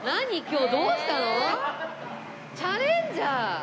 チャレンジャー！